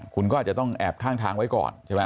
คุณก็อาจจะต้องแอบทางไว้ก่อน